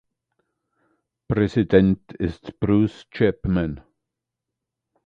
Präsident ist Bruce Chapman.